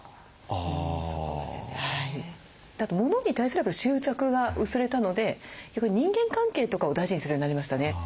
あとモノに対する執着が薄れたのでやっぱり人間関係とかを大事にするようになりましたね。